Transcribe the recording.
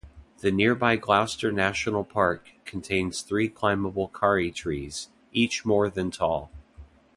The nearby Gloucester National Park contains three climbable karri trees, each more than tall.